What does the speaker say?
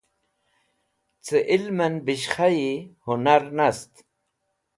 Cẽ ilmẽn beshkhayi hũnar nast.